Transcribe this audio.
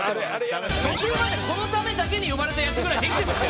途中までこのためだけに呼ばれたやつぐらいできてました。